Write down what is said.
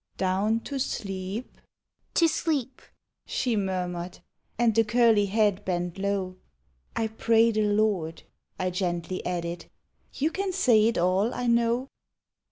" Down to sleep "—" To sleep," she murmured, And the curly head bent low; "I pray the Lord," I gently added; 4* You can say it all, 1 know."